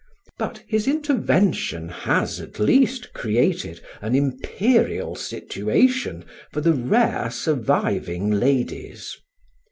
But his intervention has at least created an imperial situation for the rare surviving ladies.